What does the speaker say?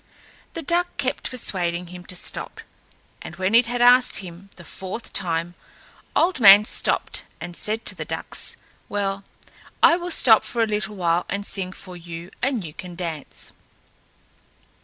The duck kept persuading him to stop, and when it had asked him the fourth time, Old Man stopped and said to the ducks, "Well, I will stop for a little while and sing for you, and you can dance."